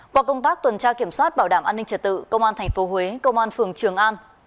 qua công tác tuần tra kiểm soát bảo đảm an ninh trật tự công an tp huế công an phường trường an